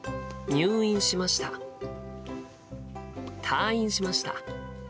退院しました。